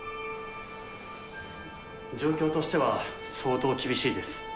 状況としては相当厳しいです。